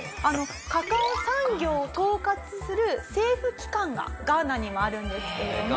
カカオ産業を統括する政府機関がガーナにもあるんですけれども。